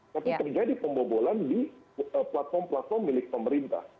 tapi terjadi pembobolan di platform platform milik pemerintah